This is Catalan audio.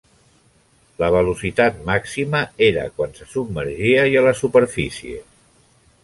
La velocitat màxima era quan se submergia i a la superfície.